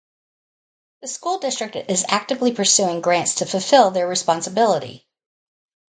The school district is actively pursuing grants to fulfill their responsibility.